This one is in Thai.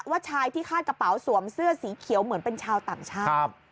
ชายที่คาดกระเป๋าสวมเสื้อสีเขียวเหมือนเป็นชาวต่างชาติ